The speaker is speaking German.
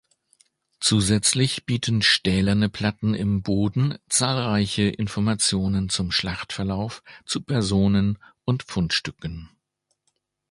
Zusätzlich bieten stählerne Platten im Boden zahlreiche Informationen zum Schlachtverlauf, zu Personen und Fundstücken.